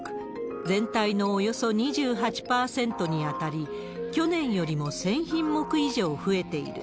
全体のおよそ２８％に当たり、去年よりも１０００品目以上増えている。